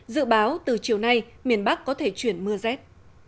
dự báo từ chiều nay miền bắc có thể chuyển mưa rét